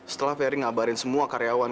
setelah ferry ngabarin semua karyawan